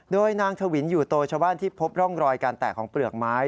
โดยนางถวินอยู่โตชาวบ้านที่พบร่องรอยการแตกของเปลือกไม้